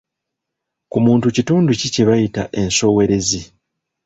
Ku muntu kitundu ki kye bayita ensowerezi?